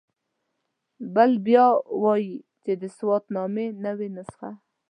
بل بیا وایي چې د سوات نامې نوې نسخه.